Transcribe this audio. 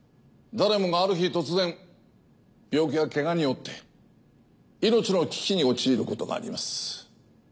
誰もがある日突然病気やケガによって命の危機に陥ることがあります。